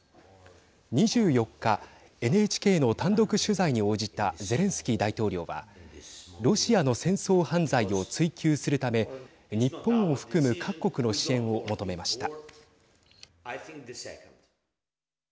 ２４日ＮＨＫの単独取材に応じたゼレンスキー大統領はロシアの戦争犯罪を追求するため日本を含む各国の支援を求めました。